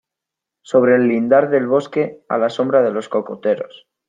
sobre el lindar del bosque, a la sombra de los cocoteros ,